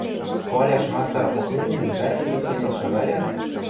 Хваляш мастар Охлынин вӓржӹ гӹц кӹньӹл шагалят: